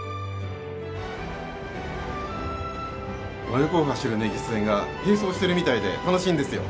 真横を走る根岸線が並走してるみたいで楽しいんですよ。